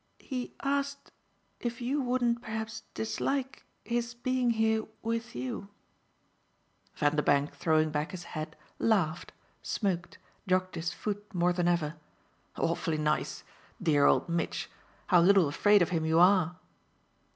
"He asked if you wouldn't perhaps dislike his being here with you." Vanderbank, throwing back his head, laughed, smoked, jogged his foot more than ever. "Awfully nice. Dear old Mitch! How little afraid of him you are!"